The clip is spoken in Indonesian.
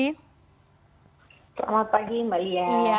selamat pagi mbak lia